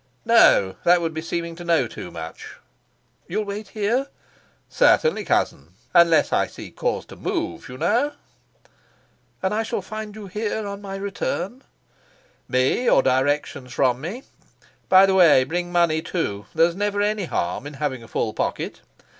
"No. That would be seeming to know too much." "You'll wait here?" "Certainly, cousin unless I see cause to move, you know." "And I shall find you on my return?" "Me, or directions from me. By the way, bring money too. There's never any harm in having a full pocket.